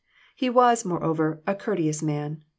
He was, moreover, a courteous man.